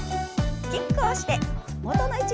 キックをして元の位置に戻ります。